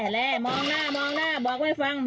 แร่มองหน้าบอกไว้ฟัง